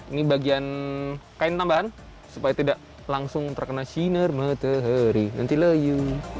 ini bagian kain tambahan supaya tidak langsung terkena sinar matahari nanti layu